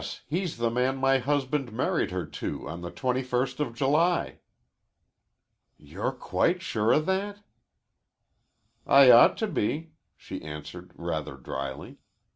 He's the man my husband married her to on the twenty first of July." "You're quite sure of that?" "I ought to be," she answered rather dryly.